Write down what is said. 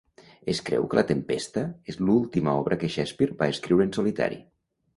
Es creu que "La Tempesta" és l'última obra que Shakespeare va escriure en solitari.